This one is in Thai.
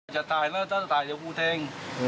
จะตายแล้วถ้าจะตายเดี๋ยวพูดแทง